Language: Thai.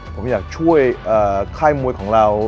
ผมอยากช่วยค่ายมวยของเรา